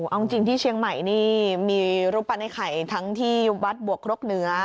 เอาจริงที่เชียงใหม่นี่มีรูปปั้นไอ้ไข่ทั้งที่วัดบวกครกเหนือ